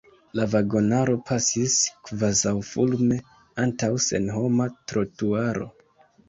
La vagonaro pasis kvazaŭfulme antaŭ senhoma trotuaro.